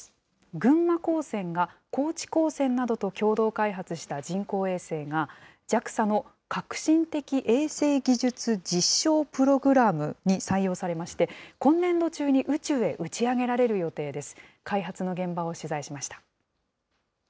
群馬高専が高知高専などと共同開発した人工衛星が、ＪＡＸＡの革新的衛星技術実証プログラムに採用されまして、今年度中に宇宙へ打ち上げられる予定です。